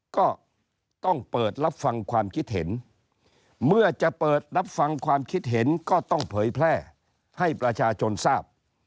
ก็ต้องเปิดรับฟังความคิดเห็นเมื่อจะเปิดรับฟังความคิดเห็นก็ต้องเผยแพร่ให้ประชาชนทราบ